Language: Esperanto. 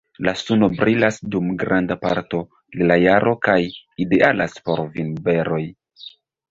La suno brilas dum granda parto de la jaro kaj idealas por vinberoj.